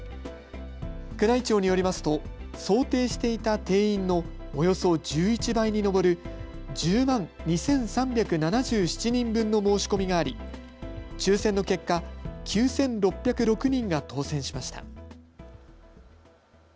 宮内庁によりますと想定していた定員のおよそ１１倍に上る１０万２３７７人分の申し込みがあり抽せんの結果９６０６人が当せんしました。